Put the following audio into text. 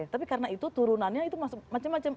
tapi karena itu turunannya itu macam macam